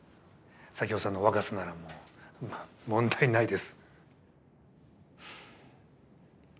左京さんの若さなら問題ないです。